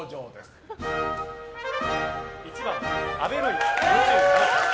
１番、阿部ロイ、２７歳。